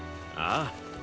ああ。